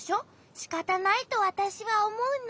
しかたないとわたしはおもうな。